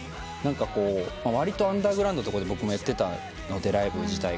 わりとアンダーグラウンドなとこで僕もやってたのでライブ自体が。